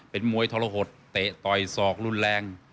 เป็นมวยทรหดเตะต่อยศอกรุนแรง